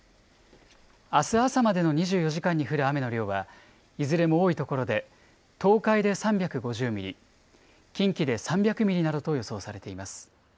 あす朝までの２４時間に降る雨の量は、いずれも多い所で東海で３５０ミリ、近畿で３００ミリなどと予想されています。